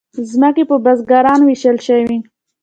ځمکې په بزګرانو وویشل شوې.